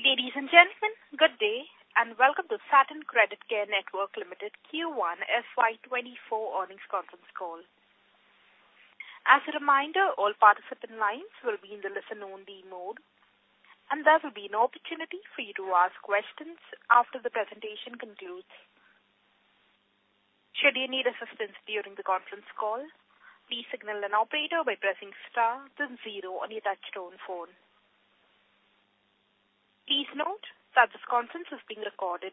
Ladies and gentlemen, good day, welcome to Satin Creditcare Network Limited Q1 FY24 earnings conference call. As a reminder, all participant lines will be in the listen-only mode, there will be an opportunity for you to ask questions after the presentation concludes. Should you need assistance during the conference call, please signal an operator by pressing star then zero on your touch-tone phone. Please note that this conference is being recorded.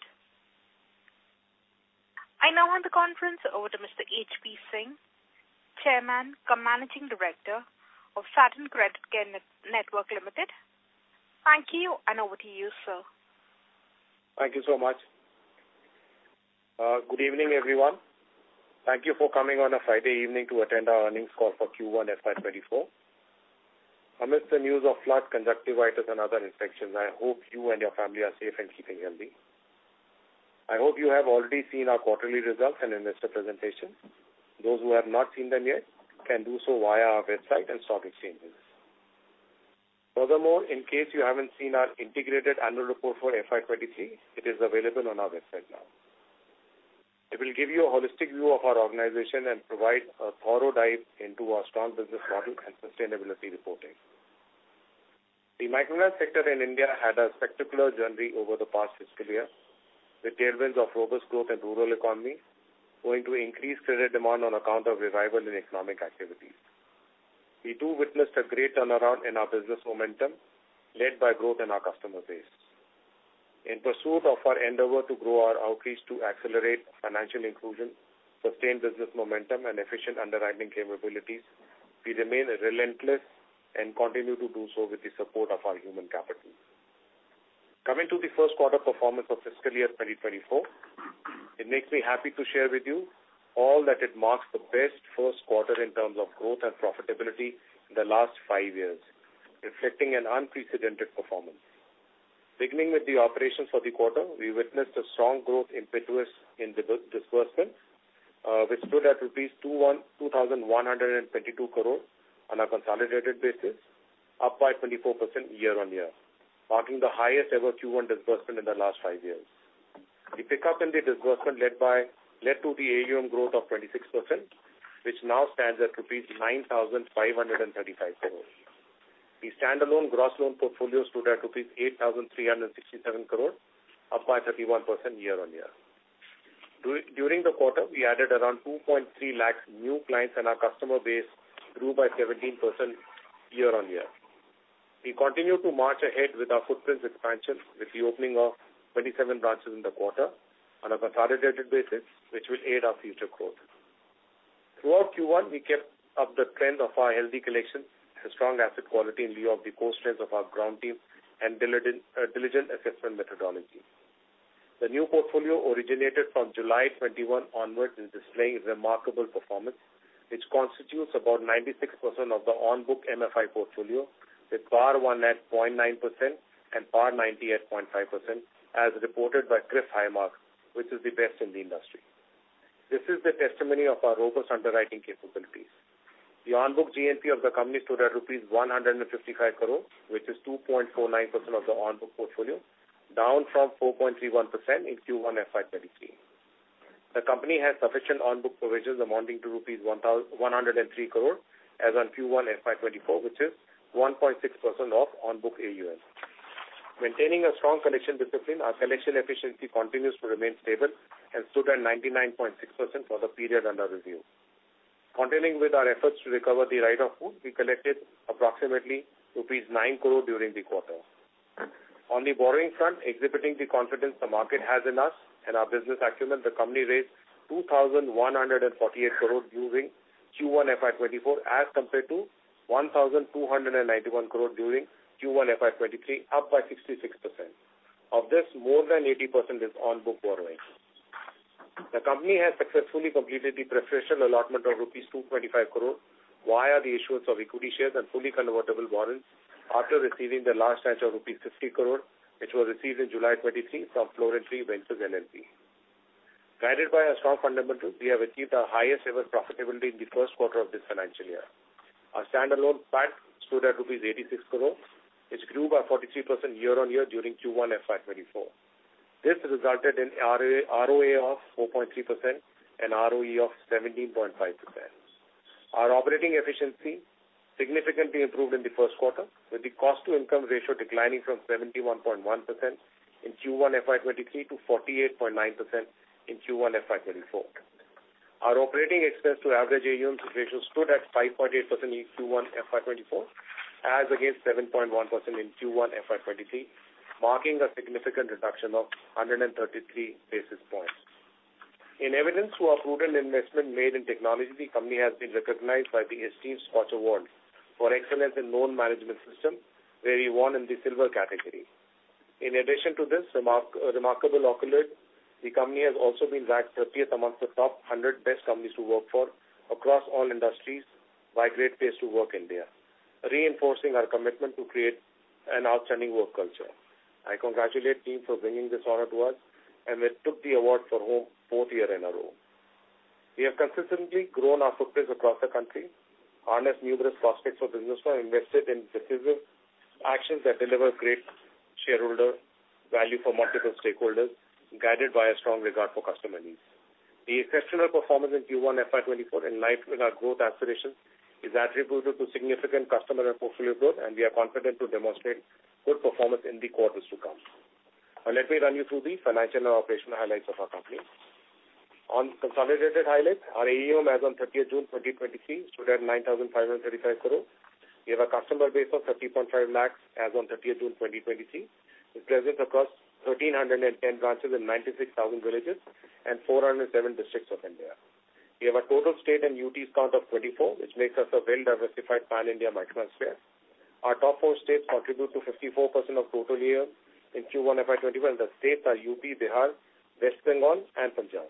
I now hand the conference over to Mr. HP Singh, Chairman cum Managing Director of Satin Creditcare Network Limited. Thank you, over to you, sir. Thank you so much. Good evening, everyone. Thank you for coming on a Friday evening to attend our earnings call for Q1 FY24. Amidst the news of flu, conjunctivitis, and other infections, I hope you and your family are safe and keeping healthy. I hope you have already seen our quarterly results and investor presentation. Those who have not seen them yet can do so via our website and stock exchanges. Furthermore, in case you haven't seen our integrated annual report for FY23, it is available on our website now. It will give you a holistic view of our organization and provide a thorough dive into our strong business model and sustainability reporting. The microfinance sector in India had a spectacular journey over the past fiscal year, with tailwinds of robust growth and rural economy owing to increased credit demand on account of revival in economic activities. We, too, witnessed a great turnaround in our business momentum, led by growth in our customer base. In pursuit of our endeavor to grow our outreach to accelerate financial inclusion, sustain business momentum, and efficient underwriting capabilities, we remain relentless and continue to do so with the support of our human capital. Coming to the Q1 performance of Fiscal Year 2024, it makes me happy to share with you all that it marks the best Q1 in terms of growth and profitability in the last five years, reflecting an unprecedented performance. Beginning with the operations for the quarter, we witnessed a strong growth impetus in disbursement, which stood at rupees 2,122 crore on a consolidated basis, up by 24% year-on-year, marking the highest ever Q1 disbursement in the last five years. The pickup in the disbursement led to the AUM growth of 26%, which now stands at 9,535 crores rupees. The standalone gross loan portfolio stood at 8,367 crore rupees, up by 31% year-on-year. During the quarter, we added around 2.3 lakhs new clients, and our customer base grew by 17% year-on-year. We continue to march ahead with our footprint expansion, with the opening of 27 branches in the quarter on a consolidated basis, which will aid our future growth. Throughout Q1, we kept up the trend of our healthy collection and strong asset quality in lieu of the core strengths of our ground team and diligent assessment methodology. The new portfolio originated from July 2021 onwards, is displaying remarkable performance, which constitutes about 96% of the on-book MFI portfolio, with PAR 1 at 0.9% and PAR 90 at 0.5%, as reported by CRIF High Mark, which is the best in the industry. This is the testimony of our robust underwriting capabilities. The on-book GNPA of the company stood at INR 155 crore, which is 2.49% of the on-book portfolio, down from 4.31% in Q1 FY23. The company has sufficient on-book provisions amounting to rupees 103 crore, as on Q1 FY24, which is 1.6% of on-book AUM. Maintaining a strong collection discipline, our collection efficiency continues to remain stable and stood at 99.6% for the period under review. Continuing with our efforts to recover the write-off book, we collected approximately rupees 9 crore during the quarter. On the borrowing front, exhibiting the confidence the market has in us and our business acumen, the company raised 2,148 crore during Q1 FY24, as compared to 1,291 crore during Q1 FY23, up by 66%. Of this, more than 80% is on-book borrowing. The company has successfully completed the preferential allotment of rupees 225 crore via the issuance of equity shares and fully convertible warrants after receiving the last tranche of rupees 50 crore, which was received in July 2023 from Florintree Ventures LLP. Guided by our strong fundamentals, we have achieved our highest ever profitability in the Q1 of this financial year. Our standalone PAT stood at rupees 86 crore, which grew by 43% year-on-year during Q1 FY24. This resulted in ROA of 4.3% and ROE of 17.5%. Our operating efficiency significantly improved in the Q1, with the cost-to-income ratio declining from 71.1% in Q1 FY23 to 48.9% in Q1 FY24. Our operating expense to average AUMs ratio stood at 5.8% in Q1 FY24, as against 7.1% in Q1 FY23, marking a significant reduction of 133 basis points. In evidence to our prudent investment made in technology, the company has been recognized by the esteemed SKOCH Award for excellence in loan management system, where we won in the silver category. In addition to this remarkable accolade, the company has also been ranked 30th amongst the top 100 best companies to work for across all industries by Great Place to Work India, reinforcing our commitment to create an outstanding work culture. I congratulate team for bringing this honor to us. We took the award for home 4th year in a row. We have consistently grown our footprint across the country, harnessed numerous prospects for business, and invested in decisive actions that deliver great shareholder value for multiple stakeholders, guided by a strong regard for customer needs. The exceptional performance in Q1 FY24 in line with our growth aspirations, is attributable to significant customer and portfolio growth, and we are confident to demonstrate good performance in the quarters to come. Let me run you through the financial and operational highlights of our company. On consolidated highlights, our AUM as on 30th June 2023 stood at 9,535 crore. We have a customer base of 30.5 lakhs as on 30th June 2023, with presence across 1,310 branches in 96,000 villages and 407 districts of India. We have a total state and UTs count of 24, which makes us a well-diversified pan-India microfinance player. Our top 4 states contribute to 54% of total AUM in Q1 FY24. The states are UP, Bihar, West Bengal and Punjab.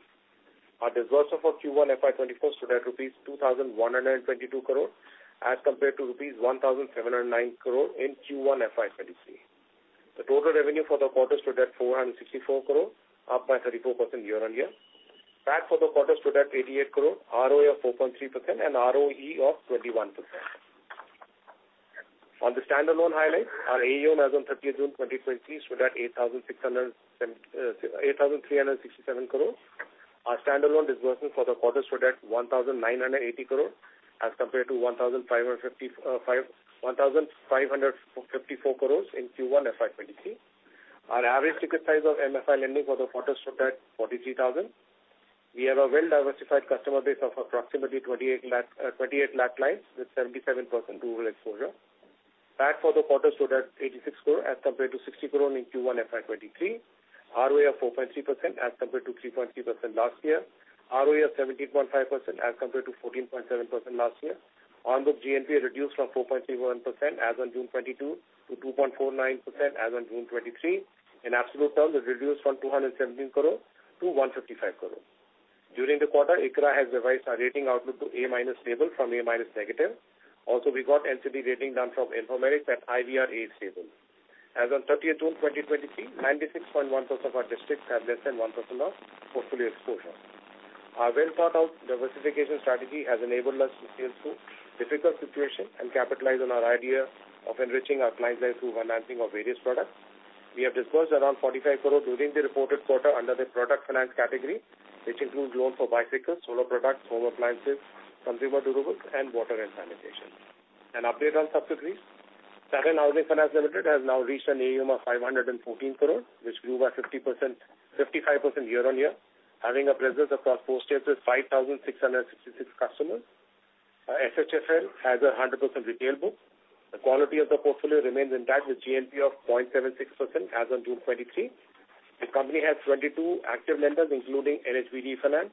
Our disbursements for Q1 FY24 stood at rupees 2,122 crore, as compared to rupees 1,709 crore in Q1 FY23. The total revenue for the quarter stood at 464 crore, up by 34% year-on-year. PAT for the quarter stood at 88 crore, ROA of 4.3% and ROE of 21%. On the standalone highlights, our AUM as on June 30, 2023 stood at 8,367 crore. Our standalone disbursements for the quarter stood at 1,980 crore, as compared to 1,554 crores in Q1 FY23. Our average ticket size of MFI lending for the quarter stood at 43,000. We have a well-diversified customer base of approximately 28 lakh clients, with 77% rural exposure. PAT for the quarter stood at 86 crore as compared to 60 crore in Q1 FY23. ROA of 4.3% as compared to 3.3% last year. ROE of 17.5% as compared to 14.7% last year. On the GNPA reduced from 4.31% as on June 2022 to 2.49% as on June 2023. In absolute terms, it reduced from 217 crore to 155 crore. During the quarter, ICRA has revised our rating outlook to A minus stable from A minus negative. Also, we got entity rating done from Infomerics at IVR A- stable. As on June 30, 2023, 96.1% of our districts have less than 1% of portfolio exposure. Our well-thought-out diversification strategy has enabled us to sail through difficult situation and capitalize on our idea of enriching our client life through financing of various products. We have disbursed around 45 crore during the reported quarter under the product finance category, which includes loans for bicycles, solar products, home appliances, consumer durables, and water and sanitation. An update on subsidiaries. Satin Housing Finance Limited has now reached an AUM of 514 crore, which grew by 50%, 55% year-on-year, having a presence across 4 states with 5,666 customers. SHFL has a 100% retail book. The quality of the portfolio remains intact, with GNP of 0.76% as on June 2023. The company has 22 active lenders, including NHB refinance,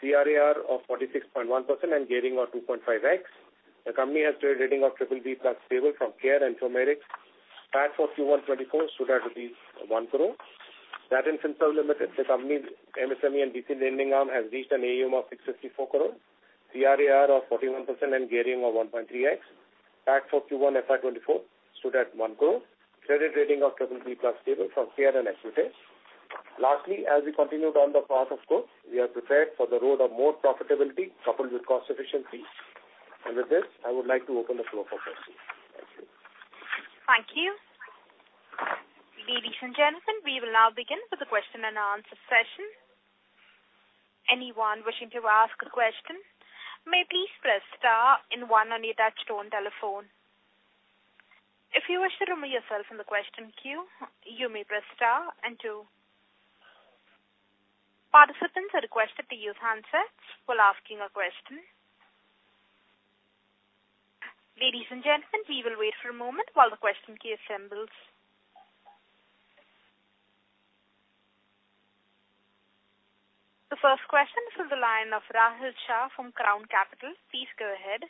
CRAR of 46.1% and gearing of 2.5x. The company has a rating of triple B plus stable from Care and Informerics. PAT for Q1 2024 stood at 1 crore. Satin Finserve Limited, the company's MSME and BC lending arm, has reached an AUM of 654 crore. CRAR of 41% and gearing of 1.3x. PAT for Q1 FY24 stood at 1 crore. Credit rating of triple B plus stable from Care and Acuité. Lastly, as we continue down the path of growth, we are prepared for the road of more profitability coupled with cost efficiency. With this, I would like to open the floor for questions. Thank you. Thank you. Ladies and gentlemen, we will now begin with the question and answer session. Anyone wishing to ask a question, may please press star and one on your touch-tone telephone. If you wish to remove yourself from the question queue, you may press star and two. Participants are requested to use handsets while asking a question. Ladies and gentlemen, we will wait for a moment while the question queue assembles. The first question is from the line of Rahul Shah from Crown Capital. Please go ahead.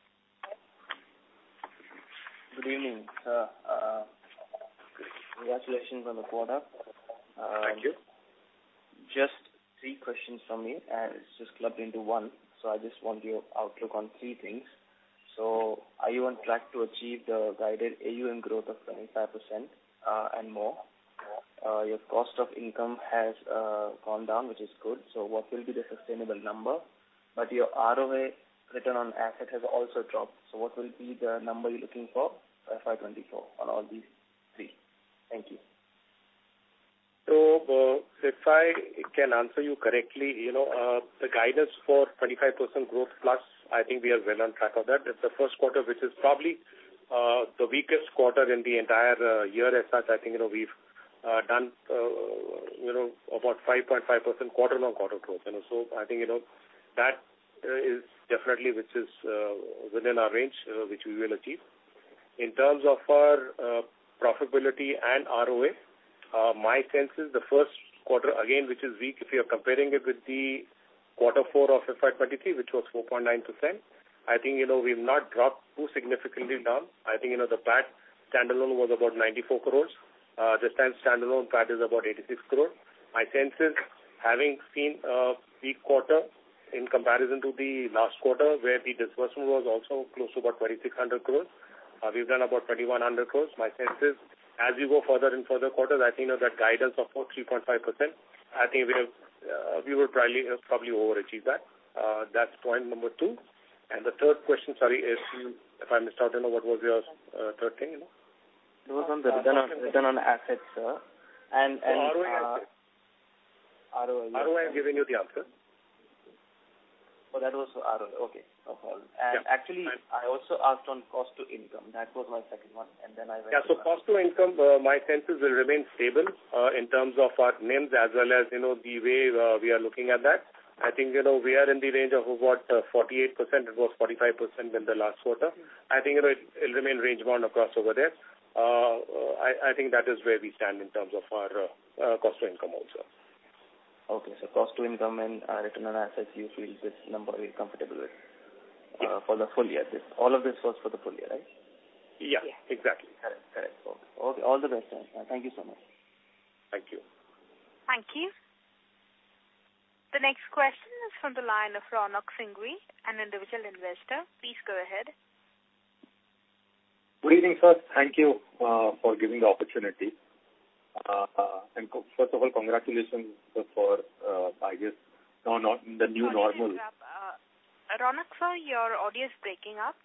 Good evening. Congratulations on the quarter. Thank you. Just three questions from me, and it's just clubbed into one, so I just want your outlook on three things. Are you on track to achieve the guided AUM growth of 25%, and more? Your cost of income has gone down, which is good, so what will be the sustainable number? Your ROA, return on asset, has also dropped. What will be the number you're looking for FY24 on all these three? Thank you. If I can answer you correctly, you know, the guidance for 25% growth plus, I think we are well on track of that. It's the Q1, which is probably the weakest quarter in the entire year. As such, I think, you know, we've done, you know, about 5.5% quarter-on-quarter growth. I think, you know, that is definitely which is within our range, which we will achieve. In terms of our profitability and ROA, my sense is the Q1, again, which is weak, if you are comparing it with the Q4 of FY23, which was 4.9%, I think, you know, we've not dropped too significantly down. I think, you know, the PAT standalone was about 94 crore. This time, standalone PAT is about 86 crore. My sense is, having seen a weak quarter in comparison to the last quarter, where the disbursement was also close to about 2,600 crores, we've done about 2,100 crores. My sense is, as we go further and further quarters, I think, you know, that guidance of about 3.5%, I think we have, we will probably, probably overachieve that. That's point number two. The third question, sorry, is if I missed out, I don't know what was your third thing, you know? It was on the return, return on assets, sir. ROA. ROA. ROA, I'm giving you the answer. Oh, that was ROA. Okay. No problem. Yeah. actually, I also asked on cost-to-income. That was my second one, and then I went- Cost to income, my sense is it will remain stable, in terms of our NIMs as well as, you know, the way, we are looking at that. I think, you know, we are in the range of about 48%. It was 45% in the last quarter. I think it'll remain range bound across over there. I think that is where we stand in terms of our cost to income also. Okay. Cost to income and return on assets, you feel this number will be comfortable with- Yeah. for the full year. This, all of this was for the full year, right? Yeah, exactly. Correct. Correct. Okay. All the best. Thank you so much. Thank you. Thank you. The next question is from the line of Ronak Singwi, an individual investor. Please go ahead. Good evening, sir. Thank you, for giving the opportunity. First of all, congratulations for, I guess, now not in the new normal. Ronak, sir, your audio is breaking up.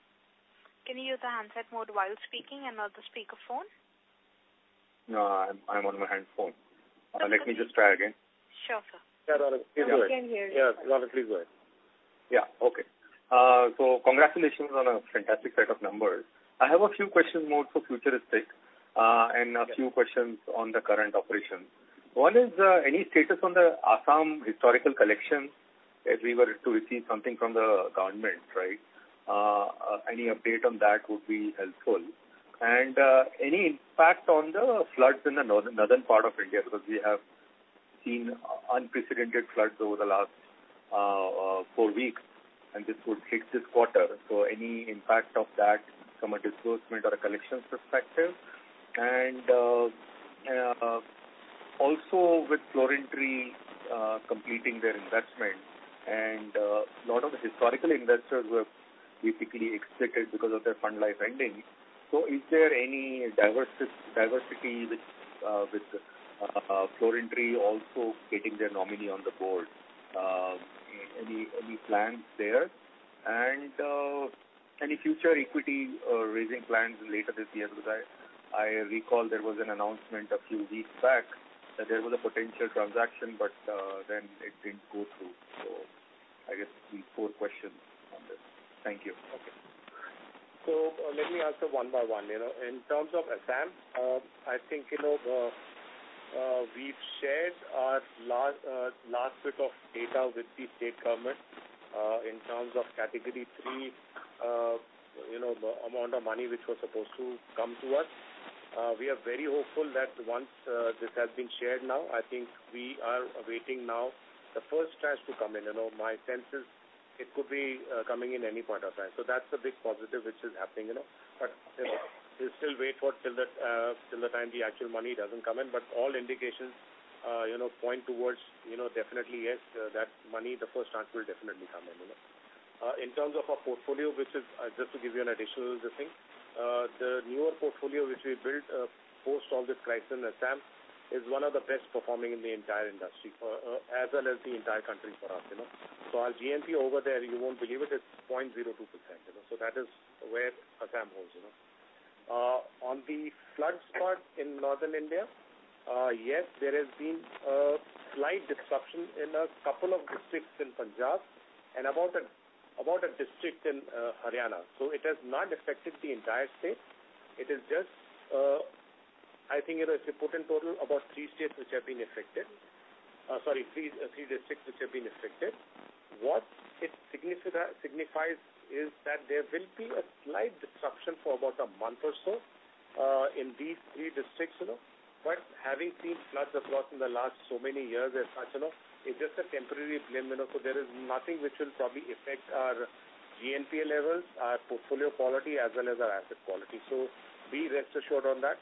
Can you use the handset mode while speaking and not the speaker phone? No, I'm, I'm on my hand phone. Let me just try again. Sure, sir. Yeah, Ronak, please go ahead. Now we can hear you. Yes, Ronak, please go ahead. Yeah. Okay. Congratulations on a fantastic set of numbers. I have a few questions more for futuristic, and a few questions on the current operations. One is, any status on the Assam historical collection, if we were to receive something from the government, right? Any update on that would be helpful. Any impact on the floods in the northern, northern part of India, because we have seen unprecedented floods over the last 4 weeks, and this would hit this quarter. Any impact of that from a disbursement or a collection perspective? Also with Florintree completing their investment, and a lot of the historical investors were basically exited because of their fund life ending. Is there any diversity, diversity with Florintree also getting their nominee on the board? Any, any plans there? Any future equity or raising plans later this year? I, I recall there was an announcement a few weeks back that there was a potential transaction, but, then it didn't go through. I guess the four questions on this. Thank you. Okay. Let me answer one by one. You know, in terms of Assam, I think, you know, we've shared our last, last bit of data with the state government, in terms of category three, you know, the amount of money which was supposed to come to us. We are very hopeful that once this has been shared now, I think we are waiting now the first tranche to come in. You know, my sense is it could be coming in any point of time. That's a big positive, which is happening, you know. We still wait for till the till the time the actual money doesn't come in. All indications, you know, point towards, you know, definitely, yes, that money, the first tranche will definitely come in, you know. In terms of our portfolio, which is just to give you an additional thing, the newer portfolio, which we built, post all this crisis in Assam, is one of the best performing in the entire industry for, as well as the entire country for us, you know. Our GNP over there, you won't believe it, is 0.02%. That is where Assam holds, you know. On the flood spot in northern India, yes, there has been a slight disruption in a couple of districts in Punjab and about a, about a district in Haryana. It has not affected the entire state. It is just, I think it is reported total about three states which have been affected. Sorry, three, three districts which have been affected. What it signifies is that there will be a slight disruption for about a month or so, in these three districts, you know. Having seen floods across in the last so many years as such, you know, it's just a temporary blip, you know, there is nothing which will probably affect our GNPA levels, our portfolio quality, as well as our asset quality. Be rest assured on that.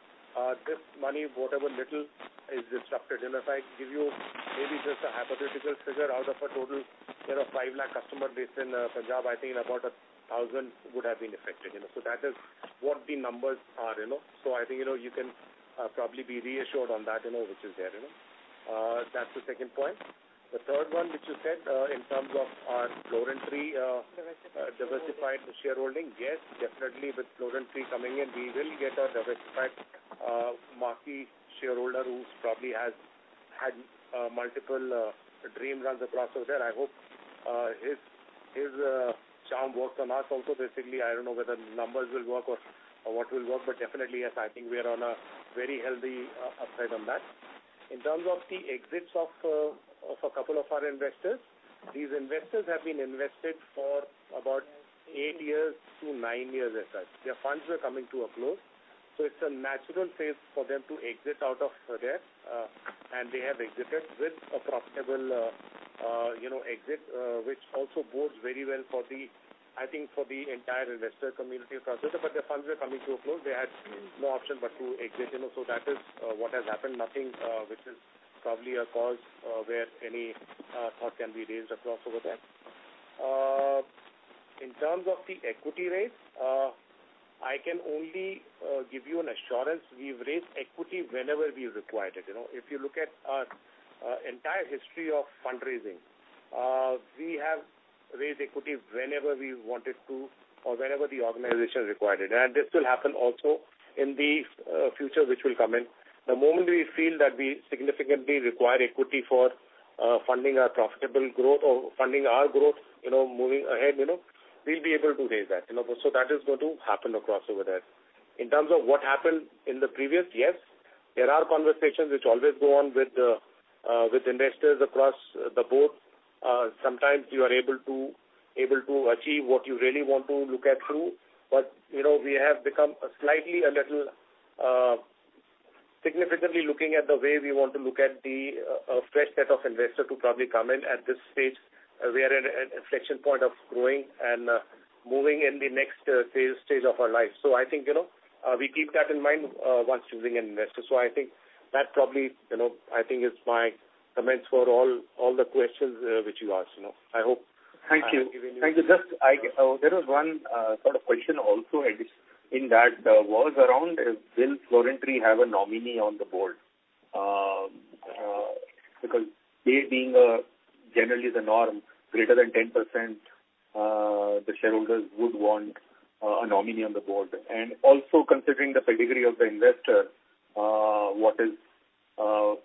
This money, whatever little is disrupted, and if I give you maybe just a hypothetical figure, out of a total set of 5 lakh customer base in Punjab, I think about 1,000 would have been affected, you know. That is what the numbers are, you know. I think, you know, you can probably be reassured on that, you know, which is there, you know. That's the second point. The third one, which you said, in terms of our Florintree. Diversified. diversified shareholding. Yes, definitely with Florintree coming in, we will get a diversified, marquee shareholder who probably has had multiple dreams run across over there. I hope his, his, charm works on us also. Basically, I don't know whether the numbers will work or, or what will work, but definitely, yes, I think we are on a very healthy upside on that. In terms of the exits of a couple of our investors, these investors have been invested for about 8 years to 9 years as such. Their funds were coming to a close, so it's a natural phase for them to exit out of there, and they have exited with a profitable, you know, exit, which also bodes very well for the, I think, for the entire investor community across. Their funds were coming to a close. They had no option but to exit, you know, so that is what has happened. Nothing which is probably a cause where any thought can be raised across over there. In terms of the equity rates, I can only give you an assurance. We've raised equity whenever we required it. You know, if you look at our entire history of fundraising, we have raised equity whenever we wanted to or whenever the organization required it. This will happen also in the future, which will come in. The moment we feel that we significantly require equity for funding our profitable growth or funding our growth, you know, moving ahead, you know, we'll be able to raise that. You know, so that is going to happen across over there. In terms of what happened in the previous, yes, there are conversations which always go on with, with investors across the board. Sometimes you are able to, able to achieve what you really want to look at through. You know, we have become a slightly, a little, significantly looking at the way we want to look at the, a fresh set of investors to probably come in. At this stage, we are at an inflection point of growing and, moving in the next stage of our life. I think, you know, we keep that in mind, once choosing an investor. I think that probably, you know, I think is my comments for all, all the questions, which you asked, you know. I hope. Thank you. Thank you. Just there was one, sort of question also, I guess, in that, was around, will Florintree have a nominee on the board? because they being, generally the norm, greater than 10%, the shareholders would want, a nominee on the board. Also considering the pedigree of the investor, what is,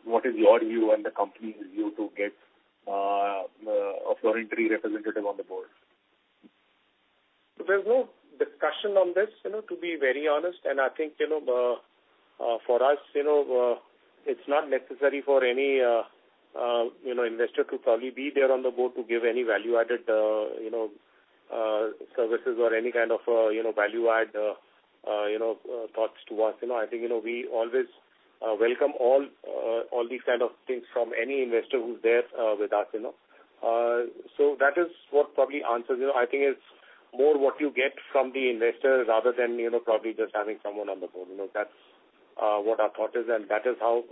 what is your view and the company's view to get, a Florintree representative on the board? There's no discussion on this, you know, to be very honest. I think, you know, for us, you know, it's not necessary for any investor to probably be there on the board to give any value-added, you know, services or any kind of, you know, value-add, you know, thoughts to us. You know, I think, you know, we always welcome all these kind of things from any investor who's there with us, you know? That is what probably answers it. I think it's more what you get from the investor rather than, you know, probably just having someone on the board. You know, that's what our thought is, and that is how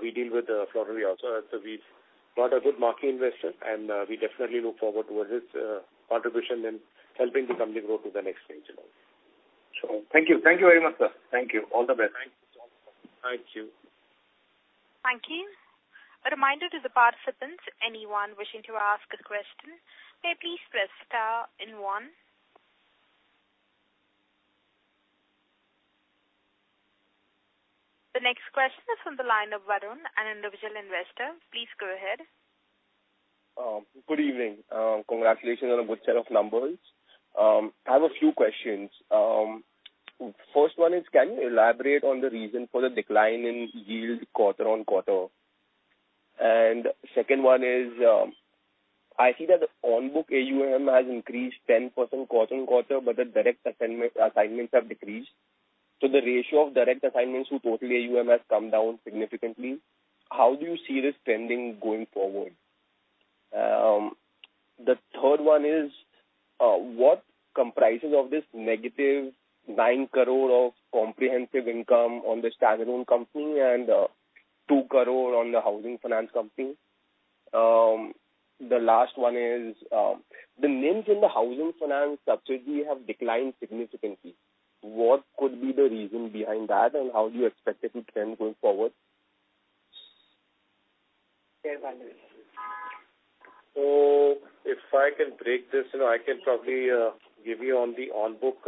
we deal with Florintree also. We've got a good marquee investor, and we definitely look forward towards his contribution in helping the company grow to the next stage. Thank you. Thank you very much, sir. Thank you. All the best. Thank you. Thank you. A reminder to the participants, anyone wishing to ask a question, may please press star and one. The next question is from the line of Varun, an individual investor. Please go ahead. Good evening. Congratulations on a good set of numbers. I have a few questions. First one is, can you elaborate on the reason for the decline in yield quarter-on-quarter? Second one is, I see that the on-book AUM has increased 10% quarter-on-quarter, but the direct assignment, assignments have decreased. The ratio of direct assignments to total AUM has come down significantly. How do you see this trending going forward? The third one is, what comprises of this negative 9 crore of comprehensive income on the standalone company and 2 crore on the housing finance company? The last one is, the NIMs in the housing finance subsidiary have declined significantly. What could be the reason behind that, and how do you expect it to trend going forward? If I can break this, you know, I can probably give you on the on-book,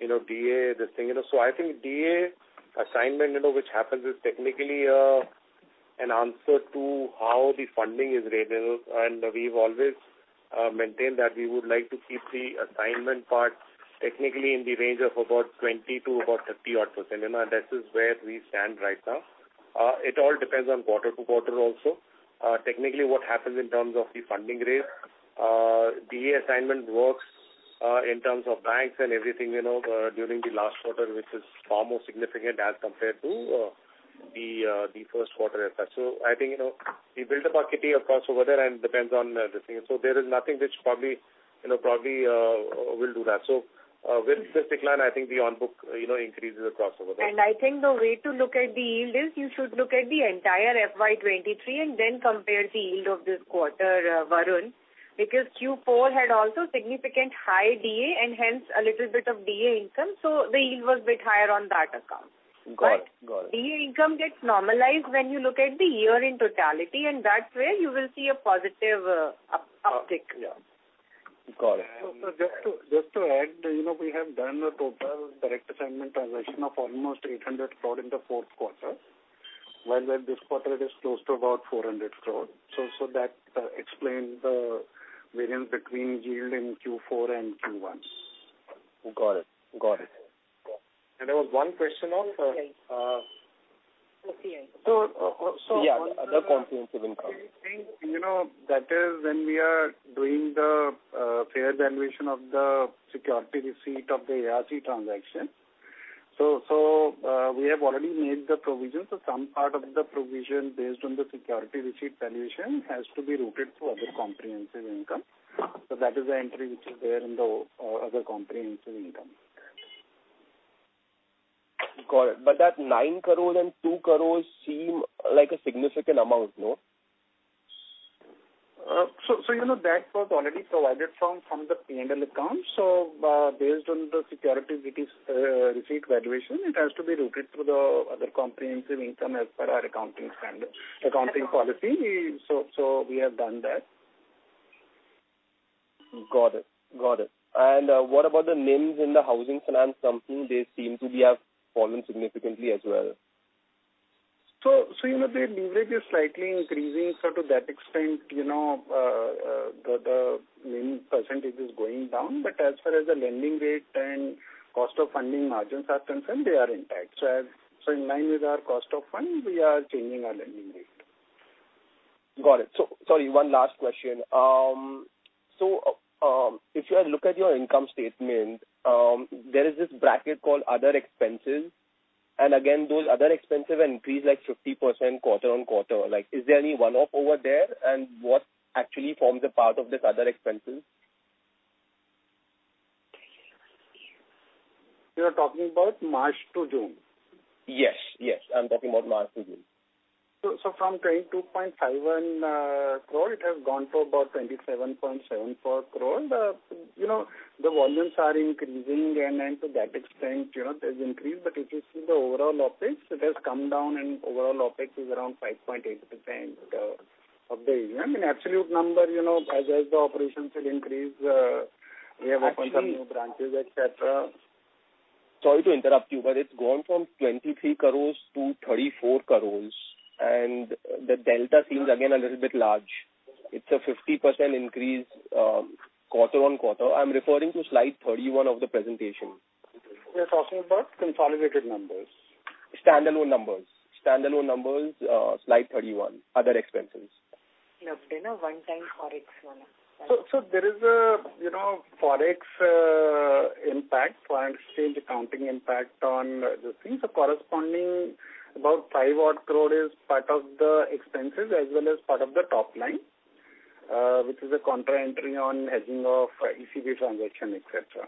you know, DA, this thing. I think DA assignment, you know, which happens is technically an answer to how the funding is available. We've always maintained that we would like to keep the assignment part technically in the range of about 20%-30%. You know, this is where we stand right now. It all depends on quarter to quarter also. Technically, what happens in terms of the funding rate, the assignment works in terms of banks and everything, you know, during the last quarter, which is far more significant as compared to the Q1 as such. I think, you know, we build up our kitty, of course, over there, and depends on the thing. There is nothing which probably, you know, probably will do that. With this decline, I think the on-book, you know, increases across over. I think the way to look at the yield is you should look at the entire FY23 and then compare the yield of this quarter, Varun, because Q4 had also significant high DA and hence a little bit of DA income, so the yield was bit higher on that account. Got it. Got it. DA income gets normalized when you look at the year in totality. That's where you will see a positive uptick. Yeah. Got it. Just to add, you know, we have done a total direct assignment transaction of almost 800 crore in the Q4, while in this quarter it is close to about 400 crore. That explains the variance between yield in Q4 and Q1. Got it. Got it. There was one question on. CA. So, so- Yeah, the comprehensive income. I think, you know, that is when we are doing the fair valuation of the security receipt of the ARC transaction. We have already made the provision. Some part of the provision based on the security receipt valuation has to be routed to other comprehensive income. That is the entry which is there in the other comprehensive income. Got it. That 9 crores and 2 crores seem like a significant amount, no? You know, that was already provided from, from the P&L account. Based on the securities, it is receipt valuation, it has to be routed through the other comprehensive income as per our accounting standard, accounting policy. So we have done that. Got it. Got it. What about the NIMs in the housing finance company? They seem to be have fallen significantly as well. You know, the leverage is slightly increasing. To that extent, you know, the, the NIM % is going down. As far as the lending rate and cost of funding margins are concerned, they are intact. As, so in line with our cost of funding, we are changing our lending rate. Got it. Sorry, one last question. If you look at your income statement, there is this bracket called other expenses, again, those other expenses increase 50% quarter-on-quarter. Is there any one-off over there? What actually forms a part of this other expenses? You are talking about March to June? Yes, yes, I'm talking about March to June. From 22.51 crore, it has gone to about 27.74 crore. You know, the volumes are increasing, and to that extent, you know, there's increase. If you see the overall OpEx, it has come down, and overall OpEx is around 5.8% of the. I mean, absolute number, you know, as the operations will increase, we have opened some new branches, et cetera. Sorry to interrupt you, but it's gone from 23 crores to 34 crores, and the delta seems again, a little bit large. It's a 50% increase, quarter-on-quarter. I'm referring to slide 31 of the presentation. We're talking about consolidated numbers. Standalone numbers. Standalone numbers, slide 31, other expenses. One time Forex 1. There is a, you know, Forex impact, foreign exchange accounting impact on the things. Corresponding about 5 odd crore is part of the expenses as well as part of the top line, which is a contra entry on hedging of ECB transaction, et cetera.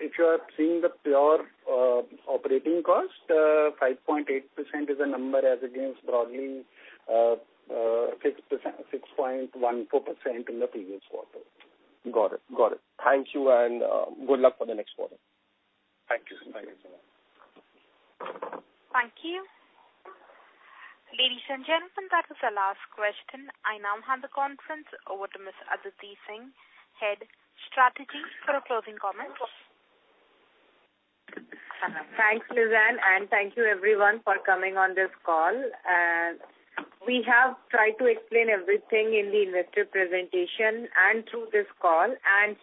If you are seeing the pure operating cost, 5.8% is a number as against broadly 6%, 6.14% in the previous quarter. Got it. Got it. Thank you, and good luck for the next quarter. Thank you. Thank you so much. Thank you. Ladies and gentlemen, that was the last question. I now hand the conference over to Ms. Aditi Singh, head of strategy, for closing comments. Thanks, Suzanne, and thank you everyone for coming on this call. We have tried to explain everything in the investor presentation and through this call.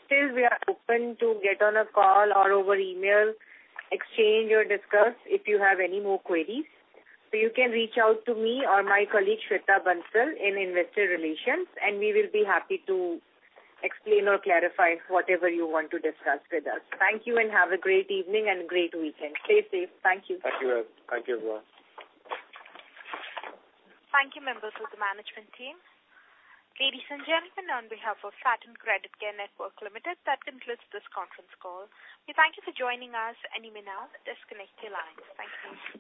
Still we are open to get on a call or over email, exchange or discuss if you have any more queries. You can reach out to me or my colleague, Shweta Bansal, in Investor Relations. We will be happy to explain or clarify whatever you want to discuss with us. Thank you. Have a great evening and great weekend. Stay safe. Thank you. Thank you. Thank you, everyone. Thank you, members of the management team. Ladies and gentlemen, on behalf of Satin Creditcare Network Limited, that concludes this conference call. We thank you for joining us. You may now disconnect your lines. Thank you.